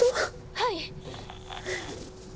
はい。